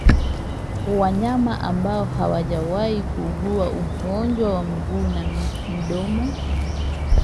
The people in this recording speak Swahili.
Wanyama ambao hawajawahi kuugua ugonjwa wa miguu na midomo